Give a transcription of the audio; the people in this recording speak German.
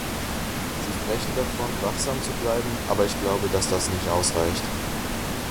Sie sprechen davon, wachsam zu bleiben, aber ich glaube, dass das nicht ausreicht.